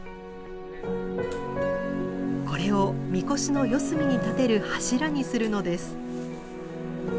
これを神輿の四隅に立てる柱にするのです。